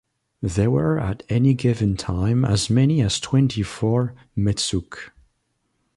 There were at any given time as many as twenty-four "metsuke".